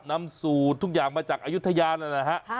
น้ำสูตรทุกอย่างมาจากอายุทยานะครับ